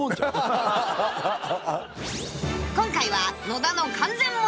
［今回は］